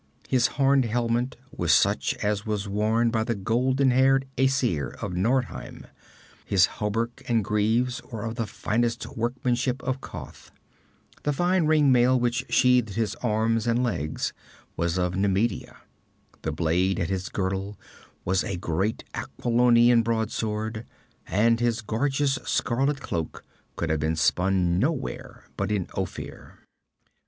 His horned helmet was such as was worn by the golden haired Æsir of Nordheim; his hauberk and greaves were of the finest workmanship of Koth; the fine ring mail which sheathed his arms and legs was of Nemedia; the blade at his girdle was a great Aquilonian broadsword; and his gorgeous scarlet cloak could have been spun nowhere but in Ophir.